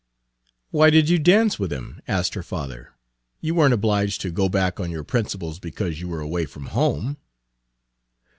"Why did you dance with him?" asked her father. "You weren't obliged to go back on your principles because you were away from home."